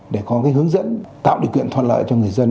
để có hướng dẫn tạo được quyền thoạt lợi cho người dân